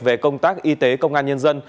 về công tác y tế công an nhân dân